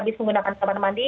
habis menggunakan kamar mandi